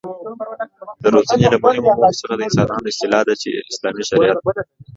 د روزنې له مهمو موخو څخه د انسانانو اصلاح ده چې اسلامي شريعت